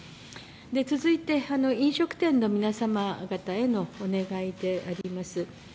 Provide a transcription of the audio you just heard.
続いて、飲食店の皆様方へのお願いであります。